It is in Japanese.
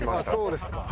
そうですか。